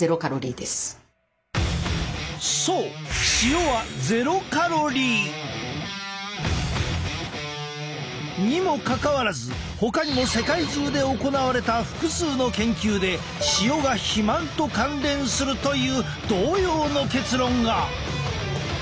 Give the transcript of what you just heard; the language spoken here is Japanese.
そう塩はにもかかわらずほかにも世界中で行われた複数の研究で塩が肥満と関連するという同様の結論が。